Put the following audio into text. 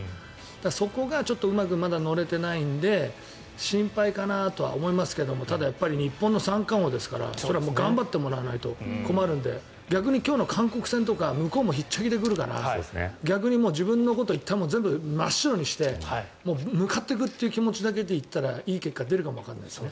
そこがちょっとうまくまだ乗れてないので心配かなとは思いますけどただ、日本の三冠王ですから頑張ってもらわないと困るので逆に今日の韓国戦とかは向こうも上げてくるから逆に自分のことはいったん真っ白にして向かっていくという気持ちだけで行ったらいい結果が出るかもわからないですね。